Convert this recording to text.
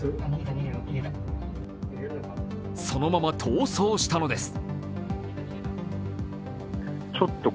そのまま逃走したのです。